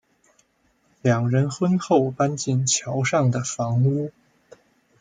两人婚后搬进桥上的房屋。